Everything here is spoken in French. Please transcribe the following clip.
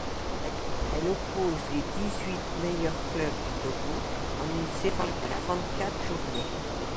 Elle oppose les dix-huit meilleurs clubs du Togo en une série de trente-quatre journées.